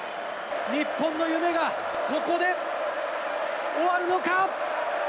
日本の夢が、ここで終わるのか？